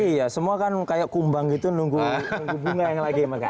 iya semua kan kayak kumbang gitu nunggu bunga yang lagi